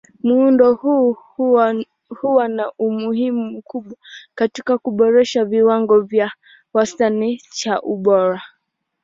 Muundo huu huwa na umuhimu mkubwa katika kuboresha kiwango cha wastani cha ubora.